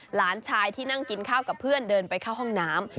หลานชายที่นั่งกินข้าวกับเพื่อนเดินไปเข้าห้องน้ำ